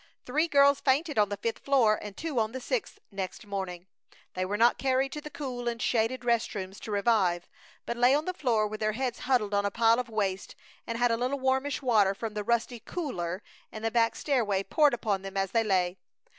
Three girls fainted on the fifth floor and two on the sixth next morning. They were not carried to the cool and shaded rest rooms to revive, but lay on the floor with their heads huddled on a pile of waste, and had a little warmish water from the rusty "cooler" in the back stairway poured upon them as they lay.